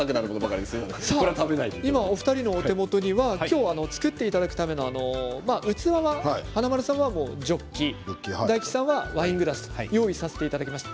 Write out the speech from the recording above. お二人のお手元には作っていただくための器華丸さんはジョッキ大吉さんはワイングラスを用意させていただきました。